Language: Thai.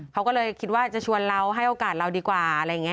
เขาก็เลยคิดว่าจะชวนเราให้โอกาสเราดีกว่าอะไรอย่างนี้